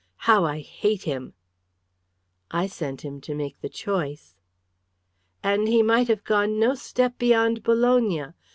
How I hate him!" "I sent him to make the choice." "And he might have gone no step beyond Bologna.